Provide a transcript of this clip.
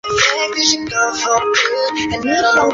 妖洱尺蛾为尺蛾科洱尺蛾属下的一个种。